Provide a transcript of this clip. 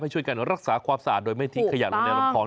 ช่วยกันรักษาความสะอาดโดยไม่ทิ้งขยะลงในลำคลอง